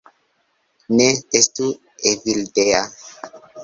Ne estu Evildea